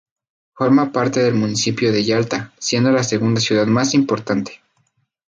Forma parte del municipio de Yalta, siendo la segunda ciudad más importante.